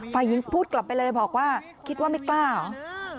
ฝ่ายหญิงพูดกลับไปเลยบอกว่าคิดว่าไม่กล้าเหรอ